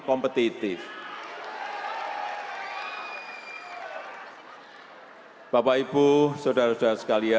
indonesia yang mampu menjaga mengamankan bangsa dan negara dalam dunia yang semakin mudah